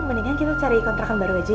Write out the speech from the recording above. mendingan kita cari kontrakan baru aja